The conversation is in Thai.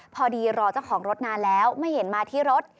พอดีรอเจ้าของรถนานแล้วไม่เห็นมาที่รถ